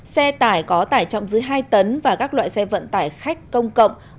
xe tải có tải trọng dưới hai tấn và các loại xe vận tải khách công cộng